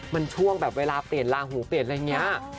มันช่วงแบบเวลาเปลี่ยนลาหูเปลี่ยนอะไรอย่างนี้